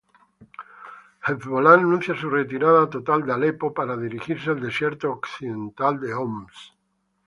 Hezbolá anuncia su retirada total de Alepo para dirigirse al desierto occidental de Homs.